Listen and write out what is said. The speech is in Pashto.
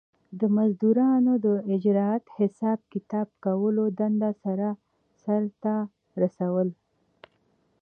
د مزدورانو د اجرت حساب کتاب کولو دنده سر ته رسوله